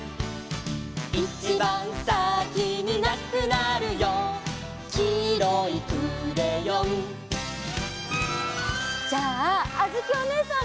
「いちばんさきになくなるよ」「きいろいクレヨン」じゃああづきおねえさん